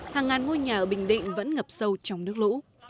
hàng ngàn ngôi nhà ở bình định vẫn ngập sâu trong nước lũ